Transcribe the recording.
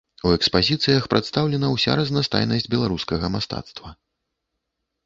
У экспазіцыях прадстаўлена ўся разнастайнасць беларускага мастацтва.